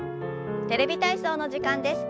「テレビ体操」の時間です。